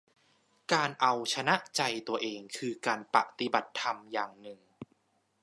การเอาชนะใจตัวเองคือการปฏิบัติธรรมอย่างหนึ่ง